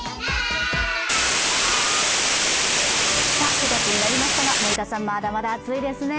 ９月になりましたが森田さん、まだまだ暑いですね。